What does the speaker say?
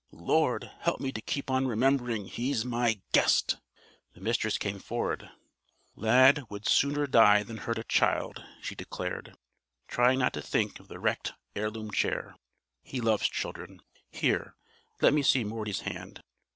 "Lord, help me to keep on remembering he's my GUEST!" The Mistress came forward. "Lad would sooner die than hurt a child," she declared, trying not to think of the wrecked heirloom chair. "He loves children. Here, let me see Morty's hand.